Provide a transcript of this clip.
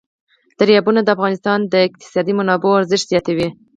دریابونه د افغانستان د اقتصادي منابعو ارزښت زیاتوي.